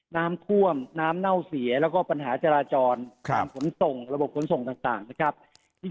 น้ำท่วมน้ำเน่าเสียแล้วก็ปัญหาจราจรและระบบขนส่งต่าง